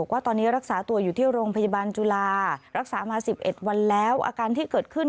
ว่าตอนนี้รักษาตัวอยู่ที่โรงพยาบาลจุฬารักษามา๑๑วันแล้วอาการที่เกิดขึ้น